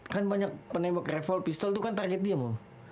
kan banyak penembak revol pistol itu kan target dia mau